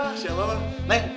neng keting keting ya neng